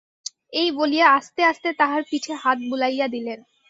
এই বলিয়া আস্তে আস্তে তাহার পিঠে হাত বুলাইয়া দিলেন।